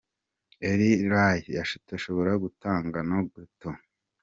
Earl Ray atashoboraga gutunga na gato.